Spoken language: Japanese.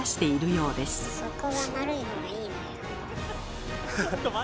底が丸い方がいいのよ。